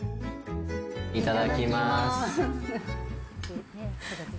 いただきます。